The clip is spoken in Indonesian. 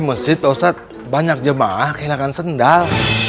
masjid ustadz banyak jemaah kehilangan sendal